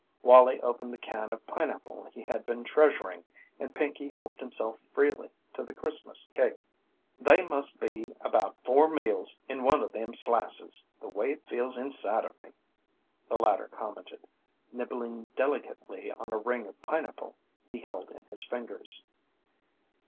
Wallie opened the can of pineapple he had been treasuring and Pinkey helped himself freely to the Christmas cake. "They must be about four meals in one of them slices, the way it feels inside of me," the latter commented, nibbling delicately on a ring of pineapple he held in his fingers.